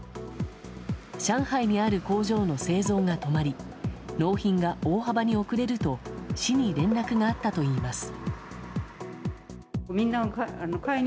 上海にある工場の製造が止まり納品が大幅に遅れると市に連絡があったといいます。